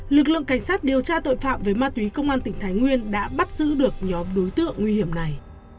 lực lượng cảnh sát điều tra tội phạm về ma túy công an tỉnh thái nguyên đã bắt giữ được nhóm đối tượng nguy hiểm này